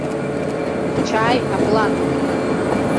Ҳчаи аплан.